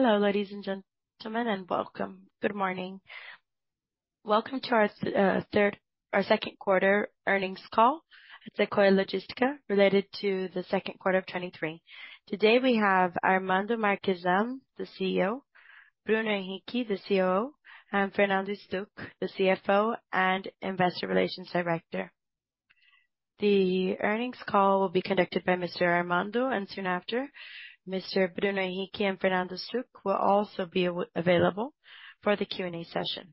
Hello, ladies and gentlemen, welcome. Good morning. Welcome to our Second Quarter Earnings Call at Sequoia Logística, related to the second quarter of 2023. Today, we have Armando Marchesan, the CEO, Bruno Henrique, the COO, and Fernando Stucchi, the CFO and investor relations director. The earnings call will be conducted by Mr. Armando, soon after, Mr. Bruno Henrique and Fernando Stucchi will also be available for the Q&A session.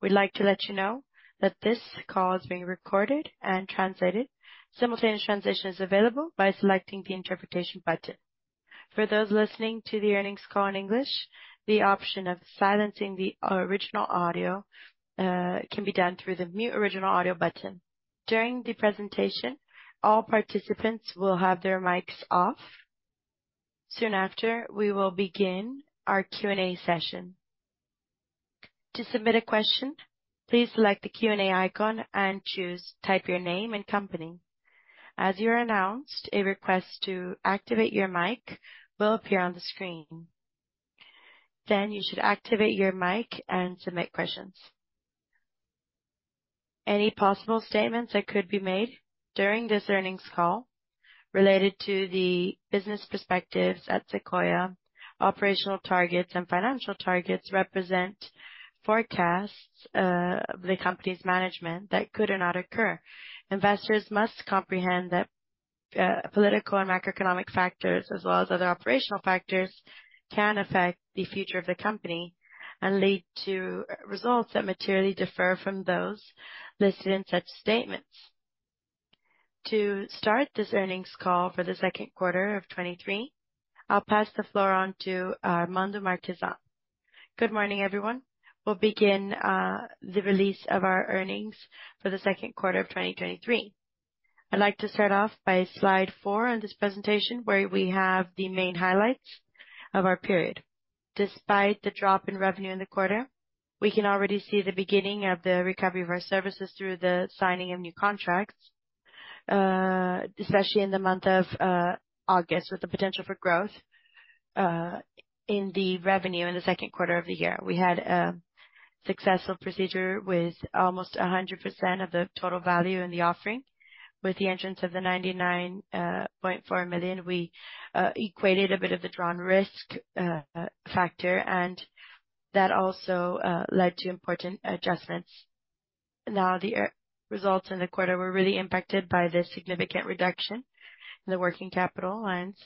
We'd like to let you know that this call is being recorded and translated. Simultaneous translation is available by selecting the interpretation button. For those listening to the earnings call in English, the option of silencing the original audio can be done through the Mute Original Audio button. During the presentation, all participants will have their mics off. Soon after, we will begin our Q&A session. To submit a question, please select the Q&A icon and choose Type Your Name and Company. As you are announced, a request to activate your mic will appear on the screen. You should activate your mic and submit questions. Any possible statements that could be made during this earnings call related to the business perspectives at Sequoia, operational targets and financial targets represent forecasts of the company's management that could or not occur. Investors must comprehend that political and macroeconomic factors, as well as other operational factors, can affect the future of the company and lead to results that materially differ from those listed in such statements. To start this earnings call for the second quarter of 2023, I'll pass the floor on to Armando Marchesan. Good morning, everyone. We'll begin the release of our earnings for the second quarter of 2023. I'd like to start off by slide four on this presentation, where we have the main highlights of our period. Despite the drop in revenue in the quarter, we can already see the beginning of the recovery of our services through the signing of new contracts, especially in the month of August, with the potential for growth in the revenue in the second quarter of the year. We had a successful procedure with almost 100% of the total value in the offering. With the entrance of the 99.4 million, we equated a bit of the drawee risk factor, and that also led to important adjustments. Now, the results in the quarter were really impacted by the significant reduction in the working capital lines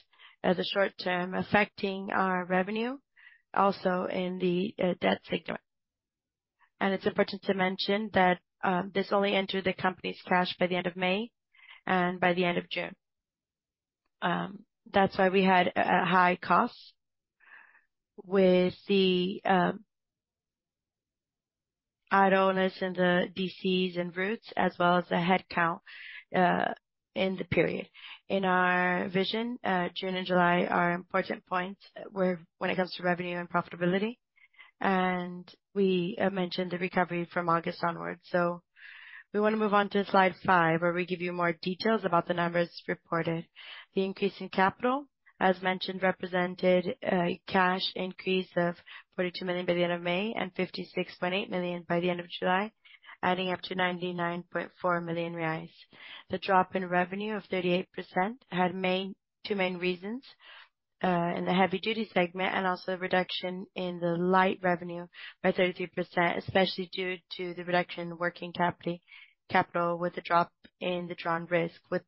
as a short term, affecting our revenue, also in the debt segment. It's important to mention that this only entered the company's cash by the end of May and by the end of June. That's why we had a high cost with the idleness in the DCs and routes, as well as the headcount in the period. In our vision, June and July are important points when it comes to revenue and profitability, and we mentioned the recovery from August onwards. We want to move on to slide five, where we give you more details about the numbers reported. The increase in capital, as mentioned, represented a cash increase of 42 million by the end of May and 56.8 million by the end of July, adding up to 99.4 million reais. The drop in revenue of 38% had two main reasons, in the heavy-duty segment, and also a reduction in the light revenue by 33%, especially due to the reduction in working capital, with a drop in the drawee risk. With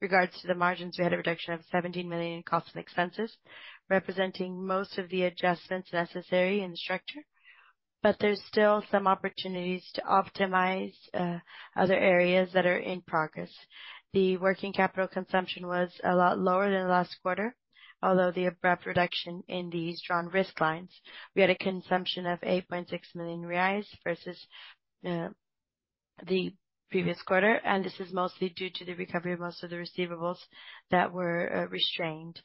regards to the margins, we had a reduction of 17 million in costs and expenses, representing most of the adjustments necessary in the structure, there's still some opportunities to optimize other areas that are in progress. The working capital consumption was a lot lower than last quarter, although the abrupt reduction in these drawee risk lines. We had a consumption of 8.6 million reais versus the previous quarter, this is mostly due to the recovery of most of the receivables that were restrained.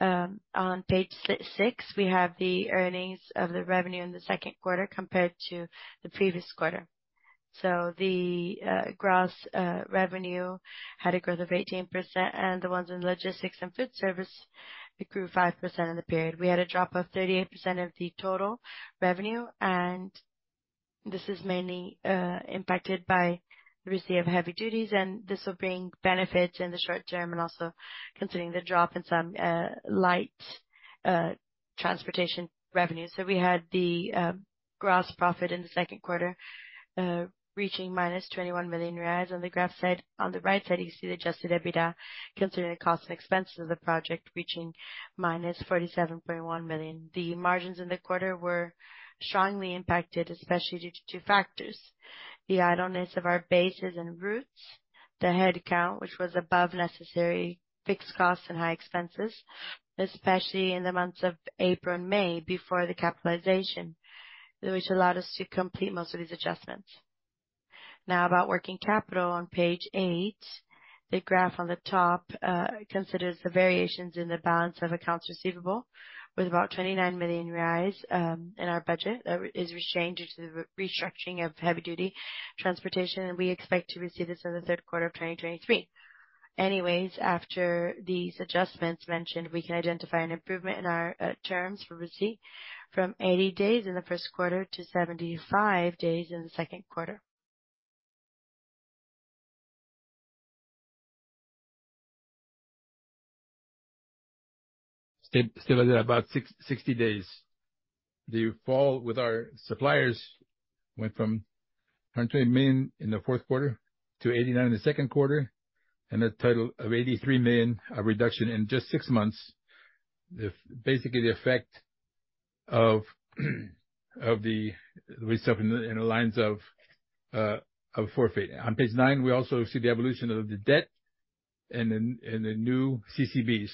On page six, we have the earnings of the revenue in the second quarter compared to the previous quarter. The gross revenue had a growth of 18%, and the ones in logistics and food service grew 5% in the period. We had a drop of 38% of the total revenue, and this is mainly impacted by the receive of heavy duty, and this will bring benefits in the short term, and also considering the drop in some light transportation revenues. We had the gross profit in the second quarter reaching -21 million reais. On the right side, you see the adjusted EBITDA considering the costs and expenses of the project, reaching -47.1 million. The margins in the quarter were strongly impacted, especially due to two factors: the idleness of our bases and routes, the headcount, which was above necessary fixed costs and high expenses, especially in the months of April and May, before the capitalization, which allowed us to complete most of these adjustments. About working capital on page eight, the graph on the top considers the variations in the balance of accounts receivable, with about 29 million reais in our budget. That is restrained due to the re-restructuring of heavy duty transportation, and we expect to receive this in the third quarter of 2023. After these adjustments mentioned, we can identify an improvement in our terms for receipt, from 80 days in the first quarter to 75 days in the second quarter. Still, still at about 60 days. The fall with our suppliers went from 120 million in the fourth quarter to 89 million in the second quarter, and a total of 83 million, a reduction in just six months. Basically, the effect of the result in the lines of forfeit. On page nine, we also see the evolution of the debt and the new CCBs.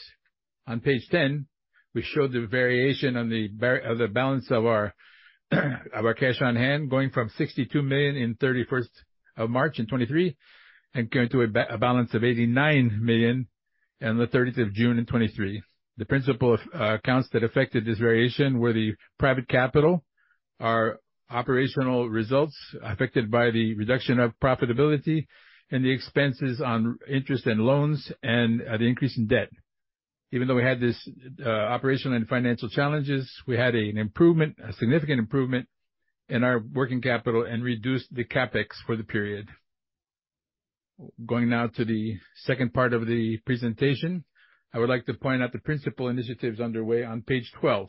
On page 10, we show the variation on the balance of our cash on hand, going from 62 million on March 31, 2023, and going to a balance of 89 million on June 30, 2023. The principle of accounts that affected this variation were the private capital, our operational results affected by the reduction of profitability, and the expenses on interest and loans, and the increase in debt. Even though we had this operational and financial challenges, we had an improvement, a significant improvement, in our working capital and reduced the CapEx for the period. Going now to the second part of the presentation, I would like to point out the principal initiatives underway on page 12.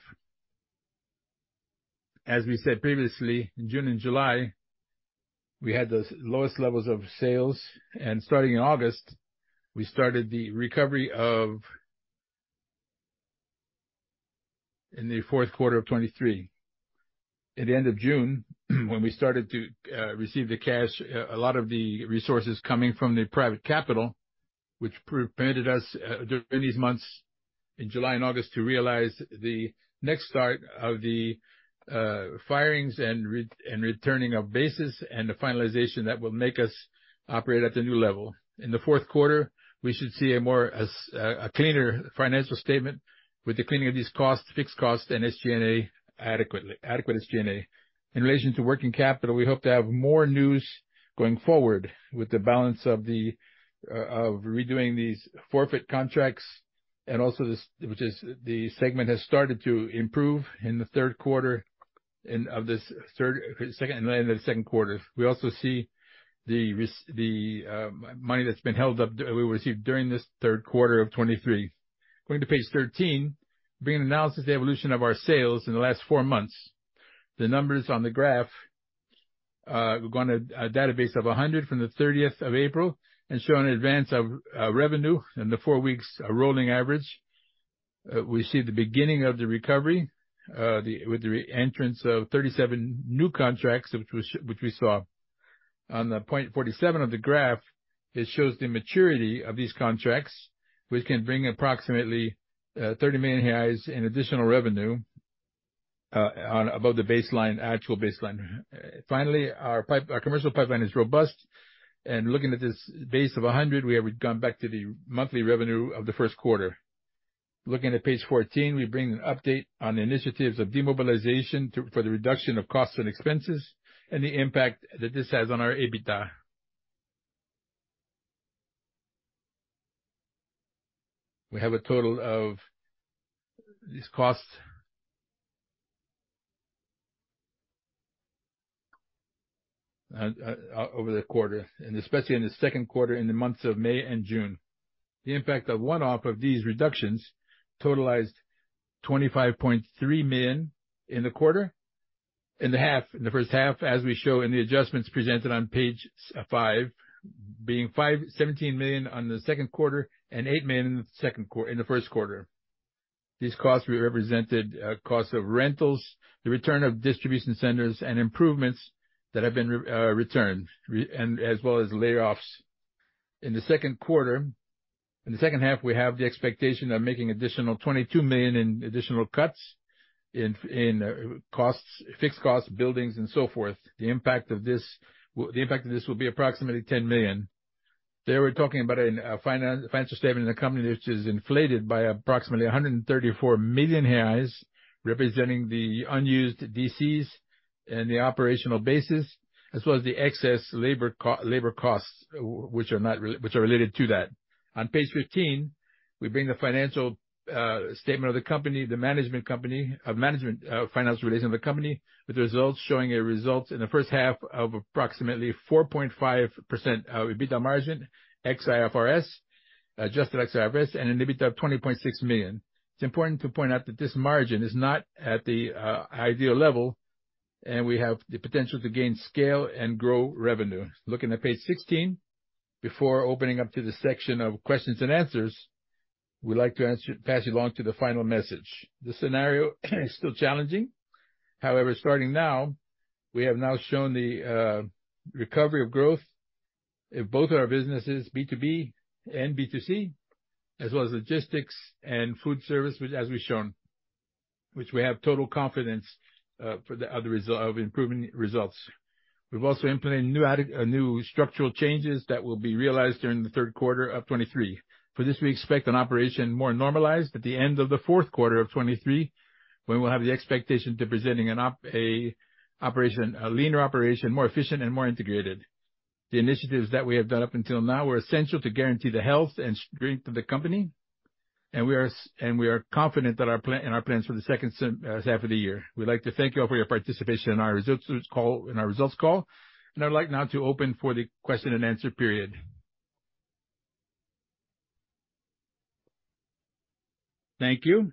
As we said previously, in June and July, we had the lowest levels of sales, and starting in August, we started the recovery in the fourth quarter of 2023. At the end of June, when we started to receive the cash, a lot of the resources coming from the private capital, which permitted us during these months in July and August, to realize the next start of the firings and returning of bases, and the finalization that will make us operate at the new level. In the fourth quarter, we should see a more, a cleaner financial statement with the cleaning of these costs, fixed costs and SG&A adequately, adequate SG&A. In relation to working capital, we hope to have more news going forward with the balance of the of redoing these forfeit contracts, and also this, which is the segment has started to improve in the third quarter, and of this third, second, and end of the second quarter. We also see the money that's been held up, we received during this third quarter of 2023. Going to page 13, being analysis the evolution of our sales in the last four months. The numbers on the graph, we're going to a database of 100 from the 30th of April, and show an advance of revenue in the four weeks, a rolling average. We see the beginning of the recovery, the, with the re-entrance of 37 new contracts, which we saw. On the point 47 of the graph, it shows the maturity of these contracts, which can bring approximately 30 million reais in additional revenue, above the baseline, actual baseline. Finally, our commercial pipeline is robust. Looking at this base of 100, we have gone back to the monthly revenue of the first quarter. Looking at page 14, we bring an update on the initiatives of demobilization for the reduction of costs and expenses, and the impact that this has on our EBITDA. We have a total of these costs over the quarter, especially in the second quarter, in the months of May and June. The impact of one-off of these reductions totalized 25.3 million in the quarter, in the half, in the first half, as we show in the adjustments presented on page five, being 17 million on the second quarter and 8 million in the second quarter, in the first quarter. These costs were represented, costs of rentals, the return of distribution centers, and improvements that have been returned, as well as layoffs. In the second quarter, in the second half, we have the expectation of making additional 22 million in additional cuts in costs, fixed costs, buildings, and so forth. The impact of this will be approximately 10 million. They were talking about a financial statement in the company, which is inflated by approximately 134 million reais, representing the unused DCs and the operational bases, as well as the excess labor costs, which are not related to that. On page 15, we bring the financial statement of the company, the management company, of management, financial relations of the company, with the results showing a result in the first half of approximately 4.5% EBITDA margin, ex IFRS, adjusted ex IFRS, and an EBITDA of 20.6 million. It's important to point out that this margin is not at the ideal level, and we have the potential to gain scale and grow revenue. Looking at page 16, before opening up to the section of questions and answers, we'd like to answer, pass you along to the final message. The scenario is still challenging. However, starting now, we have now shown the recovery of growth in both our businesses, B2B and B2C, as well as logistics and food service, which as we've shown.... which we have total confidence for the other result, of improving results. We've also implemented new structural changes that will be realized during the third quarter of 2023. For this, we expect an operation more normalized at the end of the fourth quarter of 2023, when we'll have the expectation to presenting a leaner operation, more efficient and more integrated. The initiatives that we have done up until now were essential to guarantee the health and strength of the company, and we are confident that our plan, in our plans for the second half of the year. We'd like to thank you all for your participation in our results call, in our results call. I'd like now to open for the question and answer period. Thank you.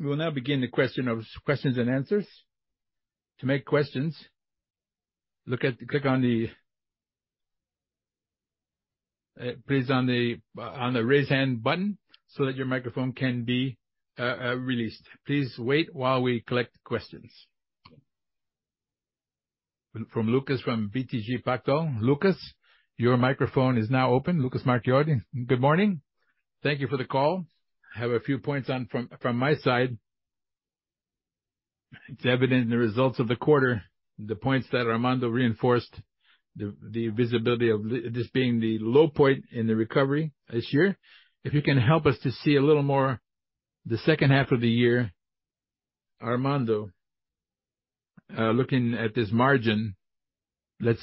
We will now begin the question of questions and answers. To make questions, look at, click on the please on the Raise Hand button so that your microphone can be released. Please wait while we collect the questions. From Lucas, from BTG Pactual. Lucas, your microphone is now open. Lucas Marquiori. Good morning. Thank you for the call. I have a few points on from my side. It's evident in the results of the quarter, the points that Armando reinforced, the visibility of this being the low point in the recovery this year. If you can help us to see a little more, the second half of the year, Armando, looking at this margin, let's,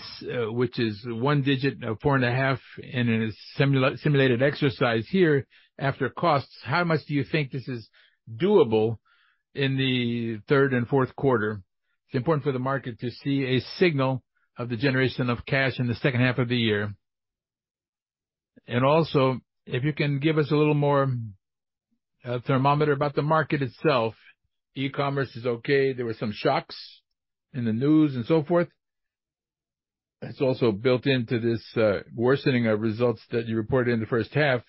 which is one digit, 4.5 in a simulated exercise here, after costs, how much do you think this is doable in the third and fourth quarter? It's important for the market to see a signal of the generation of cash in the second half of the year. Also, if you can give us a little more thermometer about the market itself, e-commerce is okay. There were some shocks in the news and so forth. It's also built into this worsening of results that you reported in the first half.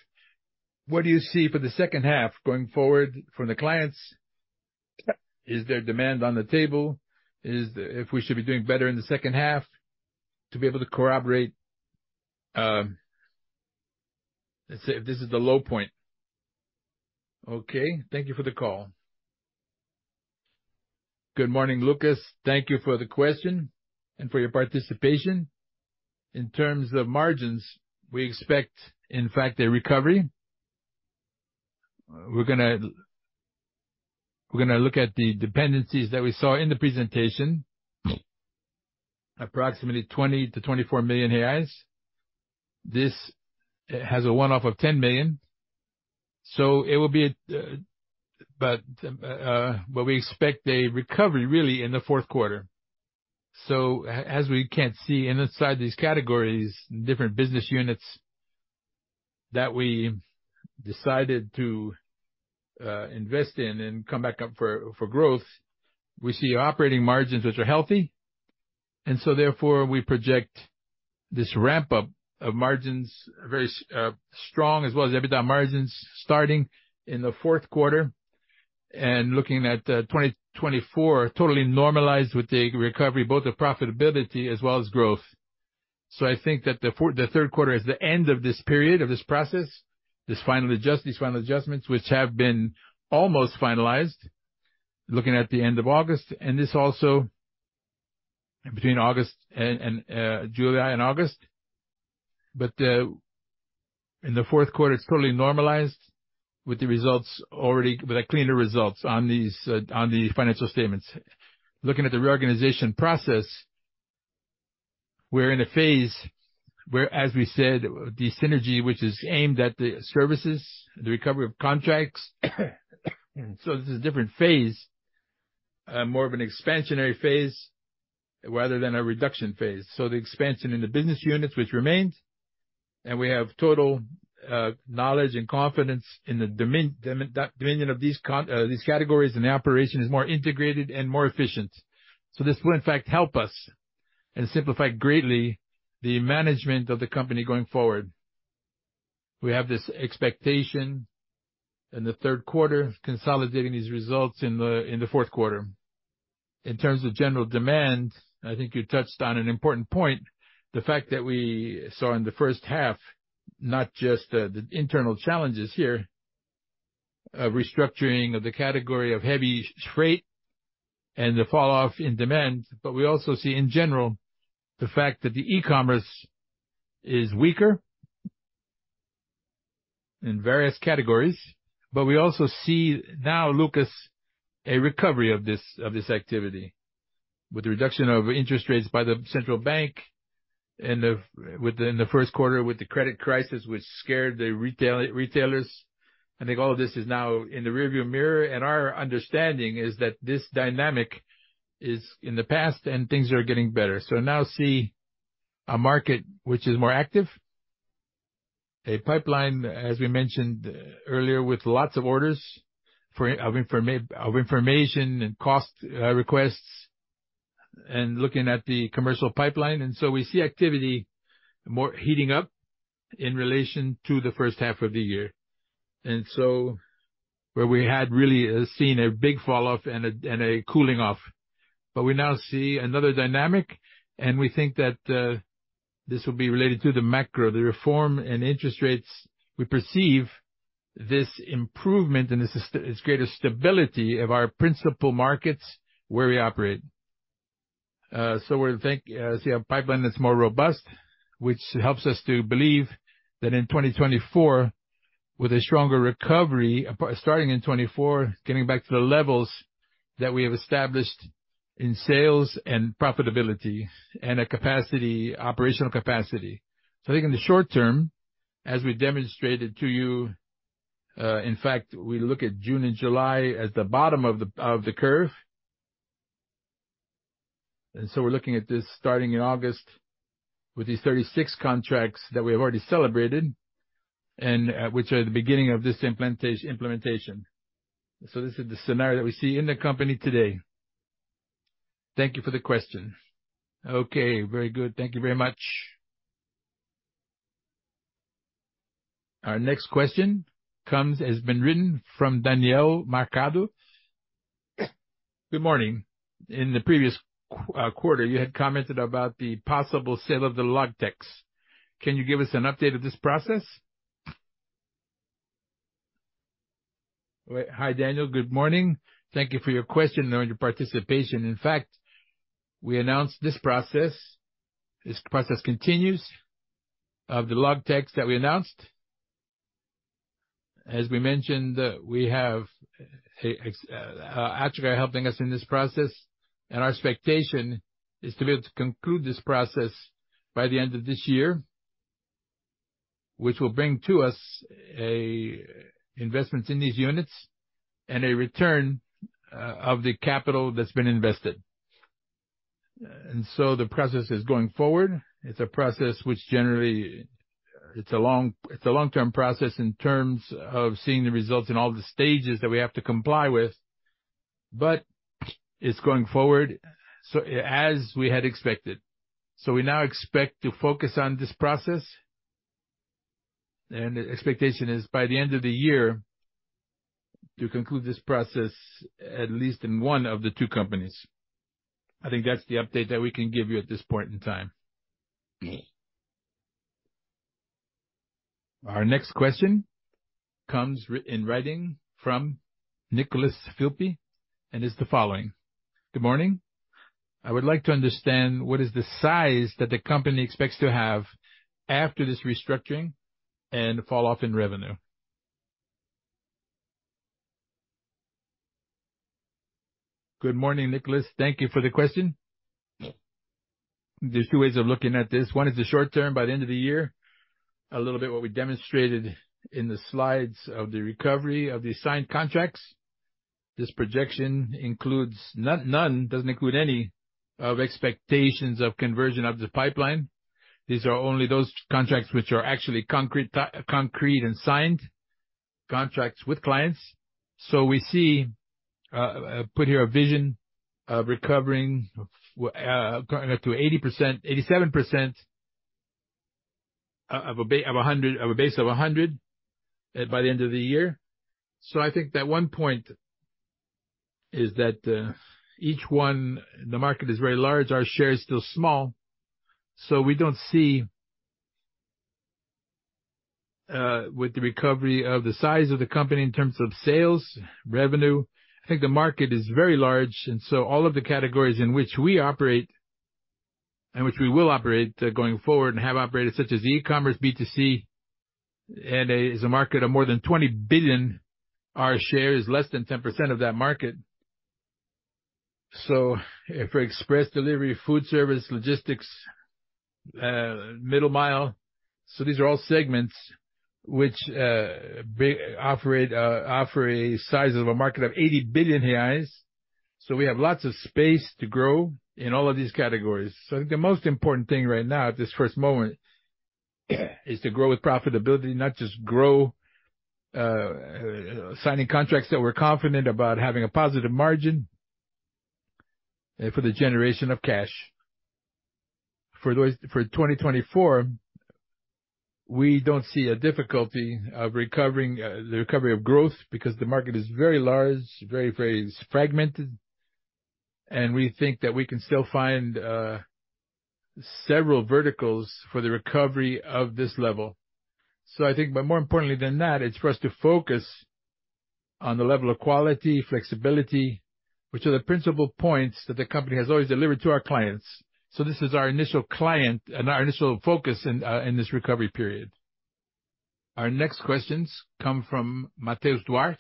What do you see for the second half, going forward from the clients? Is there demand on the table? If we should be doing better in the second half to be able to corroborate, let's say if this is the low point. Thank you for the call. Good morning, Lucas. Thank you for the question and for your participation. In terms of margins, we expect, in fact, a recovery. We're gonna, we're gonna look at the dependencies that we saw in the presentation, approximately 20 million-24 million reais. This has a one-off of 10 million, so it will be a, but we expect a recovery really in the fourth quarter. As we can see inside these categories, different business units that we decided to invest in and come back up for growth, we see operating margins which are healthy, and so therefore, we project this ramp up of margins very strong as well as EBITDA margins starting in the fourth quarter and looking at 2024, totally normalized with the recovery, both the profitability as well as growth. I think that the third quarter is the end of this period, of this process, these final adjustments, which have been almost finalized, looking at the end of August, and this also between July and August. But in the fourth quarter, it's totally normalized, with the results already, with a cleaner results on these financial statements. Looking at the reorganization process, we're in a phase where, as we said, the synergy, which is aimed at the services, the recovery of contracts. This is a different phase, more of an expansionary phase rather than a reduction phase. The expansion in the business units, which remained, and we have total knowledge and confidence in the dominion of these categories, and the operation is more integrated and more efficient. This will, in fact, help us and simplify greatly the management of the company going forward. We have this expectation in the third quarter, consolidating these results in the, in the fourth quarter. In terms of general demand, I think you touched on an important point, the fact that we saw in the first half, not just the, the internal challenges here, of restructuring of the category of heavy freight and the falloff in demand, we also see, in general, the fact that the e-commerce is weaker in various categories. We also see now, Lucas, a recovery of this, of this activity with the reduction of interest rates by the Central Bank and the, with the, in the first quarter, with the credit crisis, which scared the retailers. I think all of this is now in the rearview mirror, and our understanding is that this dynamic is in the past and things are getting better. Now see a market which is more active, a pipeline, as we mentioned earlier, with lots of orders for, of information and cost requests, and looking at the commercial pipeline. We see activity more heating up in relation to the first half of the year. Where we had really seen a big falloff and a, and a cooling off, but we now see another dynamic, and we think that. This will be related to the macro, the reform and interest rates. We perceive this improvement and this is, it's greater stability of our principal markets where we operate. We think, see a pipeline that's more robust, which helps us to believe that in 2024, with a stronger recovery, starting in 2024, getting back to the levels that we have established in sales and profitability and a capacity, operational capacity. I think in the short term, as we demonstrated to you, in fact, we look at June and July as the bottom of the, of the curve. We're looking at this starting in August with these 36 contracts that we have already celebrated and at, which are the beginning of this implementation. This is the scenario that we see in the company today. Thank you for the question. Okay, very good. Thank you very much. Our next question comes, has been written from Daniel Mercado. "Good morning. In the previous quarter, you had commented about the possible sale of the Logtex. Can you give us an update of this process?" Wait. Hi, Daniel, good morning. Thank you for your question and your participation. In fact, we announced this process. This process continues of the Logtex that we announced. As we mentioned, we have Ártica helping us in this process, and our expectation is to be able to conclude this process by the end of this year, which will bring to us a investments in these units and a return of the capital that's been invested. The process is going forward. It's a process which generally, it's a long, it's a long-term process in terms of seeing the results in all the stages that we have to comply with, but it's going forward, so as we had expected. We now expect to focus on this process, and the expectation is by the end of the year, to conclude this process, at least in one of the two companies. I think that's the update that we can give you at this point in time. Our next question comes in writing from Nicolas Filpi, and is the following: Good morning. I would like to understand what is the size that the company expects to have after this restructuring and falloff in revenue. Good morning, Nicholas. Thank you for the question. There's two ways of looking at this. One is the short term, by the end of the year, a little bit what we demonstrated in the slides of the recovery of the signed contracts. This projection includes none, none, doesn't include any of expectations of conversion of the pipeline. These are only those contracts which are actually concrete, concrete and signed contracts with clients. We see, put here a vision of recovering, to 80%, 87%, of a base of 100, by the end of the year. I think that one point is that, each one, the market is very large, our share is still small, we don't see, with the recovery of the size of the company in terms of sales, revenue. I think the market is very large, and so all of the categories in which we operate, and which we will operate, going forward and have operated, such as e-commerce, B2C, and is a market of more than 20 billion. Our share is less than 10% of that market. For express delivery, food service, logistics, middle mile, these are all segments which big operate, offer a size of a market of 80 billion reais. We have lots of space to grow in all of these categories. The most important thing right now, at this first moment, is to grow with profitability, not just grow, signing contracts that we're confident about having a positive margin for the generation of cash. For those, for 2024, we don't see a difficulty of recovering, the recovery of growth because the market is very large, very, very fragmented, and we think that we can still find several verticals for the recovery of this level. I think, but more importantly than that, it's for us to focus on the level of quality, flexibility, which are the principal points that the company has always delivered to our clients. This is our initial client and our initial focus in this recovery period. Our next questions come from Matheus Duarte,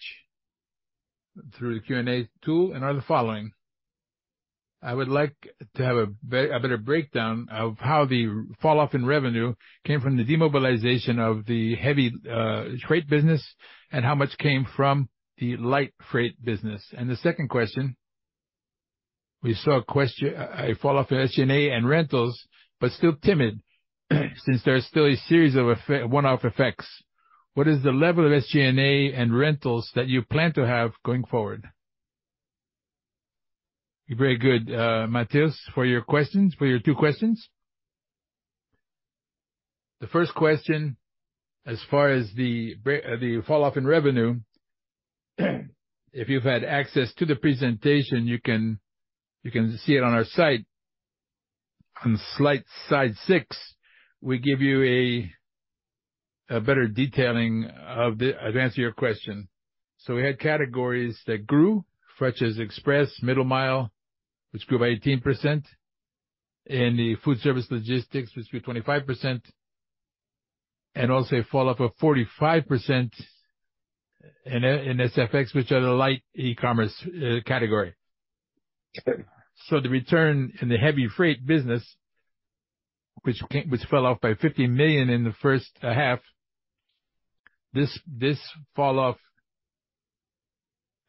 through the Q&A tool, and are the following: I would like to have a better breakdown of how the falloff in revenue came from the demobilization of the heavy freight business, how much came from the light freight business. The second question, we saw a falloff in SG&A and rentals, but still timid, since there is still a series of one-off effects. What is the level of SG&A and rentals that you plan to have going forward? Very good, Mateus, for your questions, for your two questions. The first question, as far as the falloff in revenue... If you've had access to the presentation, you can, you can see it on our site. On slide six, we give you a better detailing to answer your question. We had categories that grew, such as express, middle mile, which grew by 18%, and the food service logistics, which grew 25%, and also a falloff of 45% in SFx, which are the light e-commerce category. The return in the heavy freight business, which fell off by 50 million in the first half, this falloff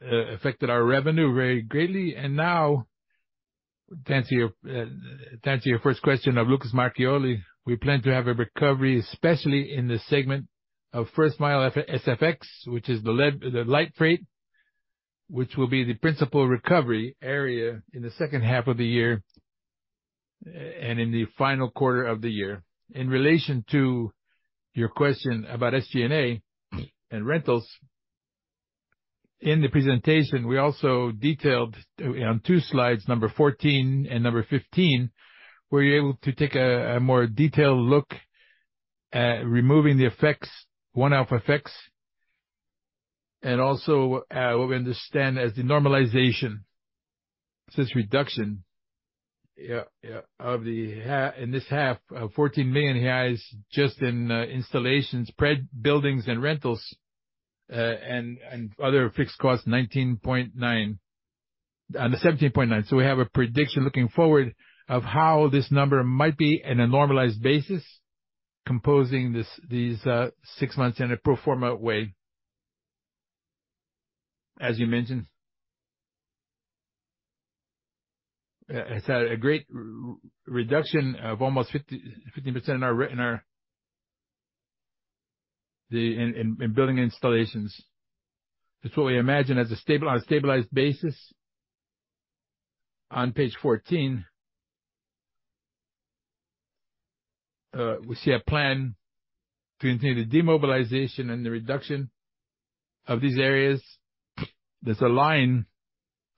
affected our revenue very greatly. Now, to answer your, to answer your first question of Lucas Marchioli, we plan to have a recovery, especially in the segment of first mile SFx, which is the light freight, which will be the principal recovery area in the second half of the year and in the final quarter of the year. In relation to your question about SG&A and rentals, in the presentation, we also detailed on two slides, number 14 and number 15, we're you're able to take a more detailed look at removing the effects, one-off effects, and also, what we understand as the normalization. Since reduction, yeah, yeah, of the half in this half, 14 million, just in installations, buildings and rentals, and, and other fixed costs, 19.9... No, 17.9. We have a prediction looking forward of how this number might be in a normalized basis, composing this, these, six months in a pro forma way. As you mentioned, it's had a great r-reduction of almost 50% in our, in our, the, in, in, in building installations. That's what we imagine as a stable, on a stabilized basis. On page 14, we see a plan to continue the demobilization and the reduction of these areas. There's a line,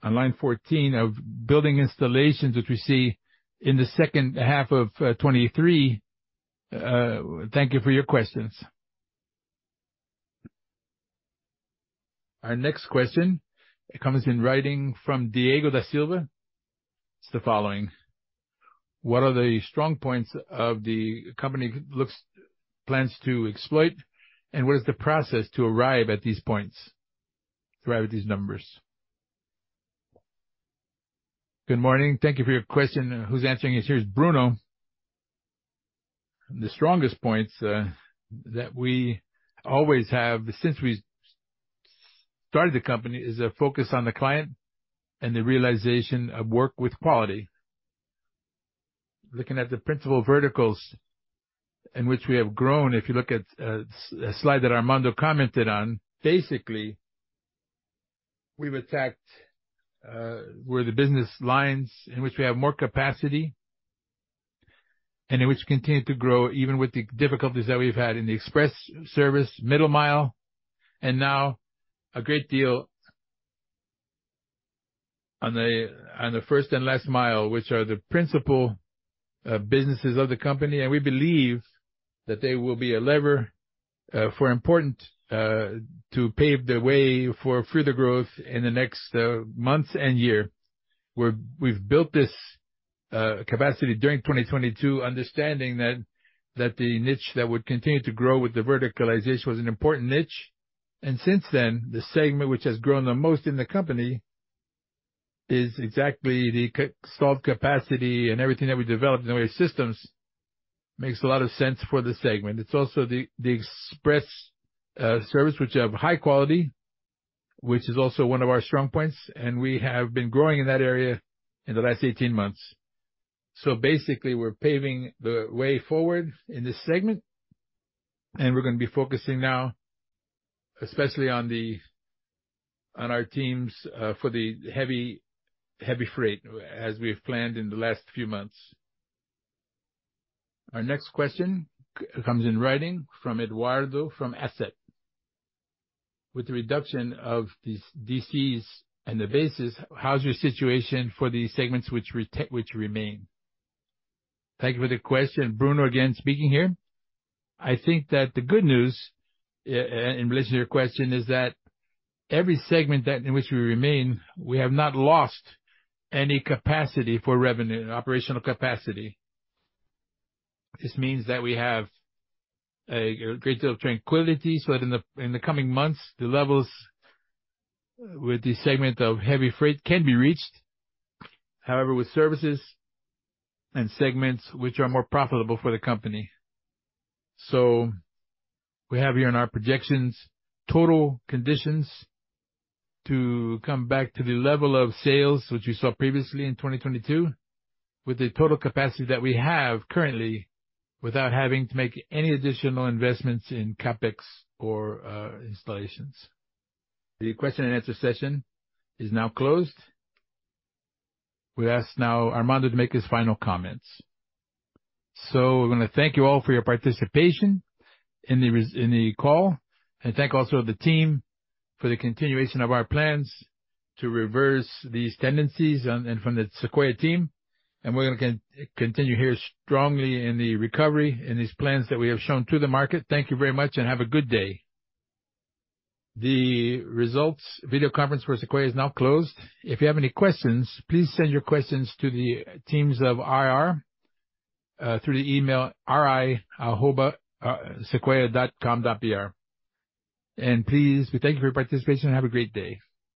on line 14, of building installations, which we see in the second half of 2023. Thank you for your questions. Our next question, it comes in writing from Diego da Silva. It's the following: What are the strong points of the company looks-- plans to exploit, and what is the process to arrive at these points, to arrive at these numbers? Good morning. Thank you for your question. Who's answering is here is Bruno. The strongest points that we always have, since we started the company, is a focus on the client and the realization of work with quality. Looking at the principal verticals in which we have grown, if you look at a slide that Armando commented on, basically, we've attacked where the business lines in which we have more capacity, and in which continue to grow, even with the difficulties that we've had in the express service, middle mile, and now a great deal on the, on the first and last mile, which are the principal businesses of the company. We believe that they will be a lever for important to pave the way for further growth in the next months and year. We've built this capacity during 2022, understanding that the niche that would continue to grow with the verticalization was an important niche. Since then, the segment, which has grown the most in the company, is exactly the solved capacity and everything that we developed in the way of systems, makes a lot of sense for the segment. It's also the express service, which have high quality, which is also one of our strong points, and we have been growing in that area in the last 18 months. Basically, we're paving the way forward in this segment, and we're gonna be focusing now, especially on our teams for the heavy, heavy freight, as we have planned in the last few months. Our next question comes in writing from Eduardo, from Asset. With the reduction of these DCs and the bases, how's your situation for the segments which remain? Thank you for the question. Bruno again, speaking here. I think that the good news in relation to your question, is that every segment that, in which we remain, we have not lost any capacity for revenue and operational capacity. This means that we have a great deal of tranquility, so that in the coming months, the levels with the segment of heavy freight can be reached, however, with services and segments which are more profitable for the company. We have here in our projections, total conditions to come back to the level of sales, which we saw previously in 2022, with the total capacity that we have currently, without having to make any additional investments in CapEx or installations. The question and answer session is now closed. We ask now Armando to make his final comments. We're gonna thank you all for your participation in the call, and thank also the team for the continuation of our plans to reverse these tendencies, and from the Sequoia team, and we're gonna continue here strongly in the recovery, in these plans that we have shown to the market. Thank you very much, and have a good day. The results video conference for Sequoia is now closed. If you have any questions, please send your questions to the teams of IR through the email, ri@sequoialog.com.br. Please, we thank you for your participation and have a great day.